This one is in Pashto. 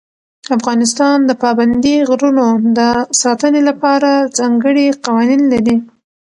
افغانستان د پابندي غرونو د ساتنې لپاره ځانګړي قوانین لري.